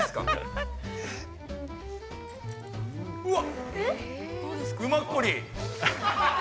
うわっ！